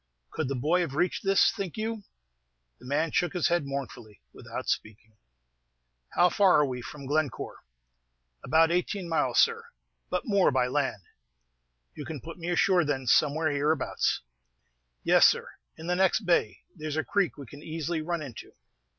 "Could the boy have reached this, think you?" The man shook his head mournfully, without speaking. "How far are we from Glencore?" "About eighteen miles, sir; but more by land." "You can put me ashore, then, somewhere hereabouts." "Yes, sir, in the next bay; there's a creek we can easily run into."